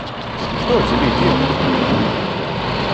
Что тебе делать?